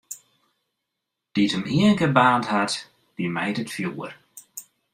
Dy't him ienkear baarnd hat, dy mijt it fjoer.